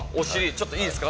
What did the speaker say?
ちょっといいですか？